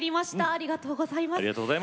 ありがとうございます。